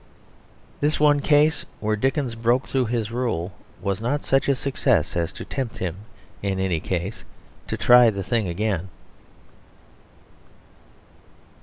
This one case where Dickens broke through his rule was not such a success as to tempt him in any case to try the thing again.